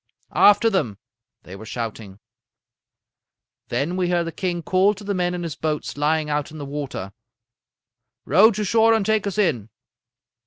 "'After them!' they were shouting. "Then we heard the king call to the men in his boats lying out in the water: "'Row to shore and take us in.'